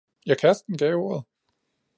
jeg kæresten gav ordet!